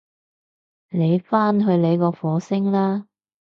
你返去你個火星啦